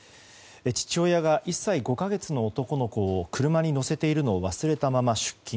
父親が１歳５か月の男の子を車に乗せているのを忘れたまま出勤。